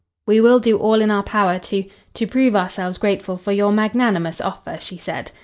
"We will do all in our power to to prove ourselves grateful for your magnanimous offer," she said.